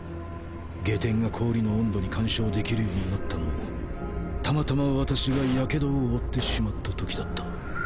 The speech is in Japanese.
外典が氷の温度に干渉できるようになったのもたまたま私が火傷を負ってしまった時だった